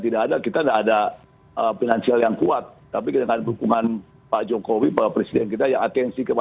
tidak ada kita ada financial yang kuat tapi kita ada dukungan pak jokowi pak presiden kita ya atensi